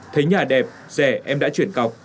thấy nhà đẹp rẻ em đã chuyển cọc